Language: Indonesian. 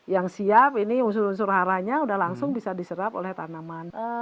yang siap ini unsur unsur haranya sudah langsung bisa diserap oleh tanaman